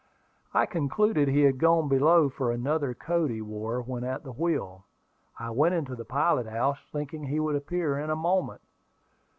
I concluded he had gone below for another coat he wore when at the wheel. I went into the pilot house, thinking he would appear in a moment.